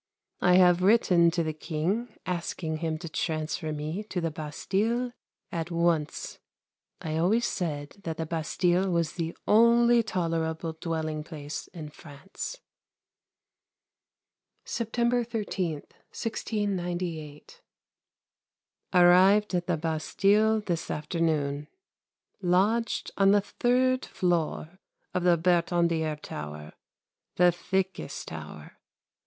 I have written to the King asking him to transfer me to the Bastille at once. I always said that the Bastille was the only tolerable dwelling place in France. September 13, 1698. Arrived at the Bastille this afternoon. Lodged on the third floor of the Bertandière tower the thickest tower.